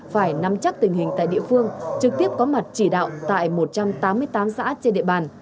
phải nắm chắc tình hình tại địa phương trực tiếp có mặt chỉ đạo tại một trăm tám mươi tám xã trên địa bàn